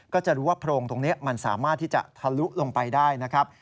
ก็จะรู้ว่าโพรงตรงนี้มันสามารถที่จะทะลุลงไปได้นะครับ